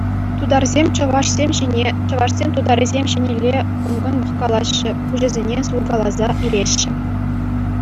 Тутарсем чӑвашсем ҫине, чӑвашсем тутарӗсем ҫинелле кӑн-кӑн пӑхкалаҫҫӗ, пуҫӗсене сулкаласа илеҫҫӗ.